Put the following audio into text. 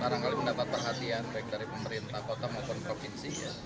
barangkali mendapat perhatian baik dari pemerintah kota maupun provinsi